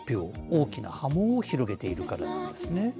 大きな波紋を広げているからなんですね。